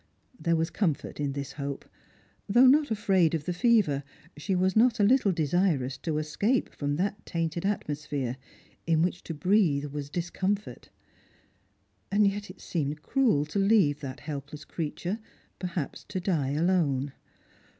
There was comfort in this hope. Though not afraid of the fever, she was not a little desirous to escape from that tainted atmosphere, in which tc breathe was discomfort. And yet it seemed cruel to leave that helpless creature, perhaps to die alone.